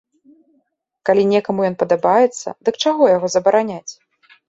Калі некаму ён падабаецца, дык чаго яго забараняць?